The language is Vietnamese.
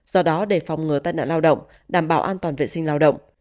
do đó để phòng ngừa tai nạn lao động đảm bảo an toàn vệ sinh lao động